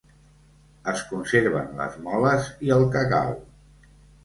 Es conserven les moles i el cacau.